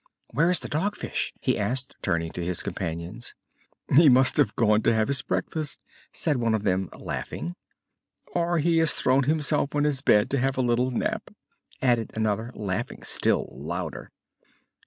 "Where is the Dog Fish?" he asked, turning to his companions. "He must have gone to have his breakfast," said one of them, laughing. "Or he has thrown himself on to his bed to have a little nap," added another, laughing still louder.